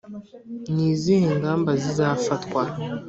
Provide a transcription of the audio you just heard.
ni izihe ngamba zizafatwa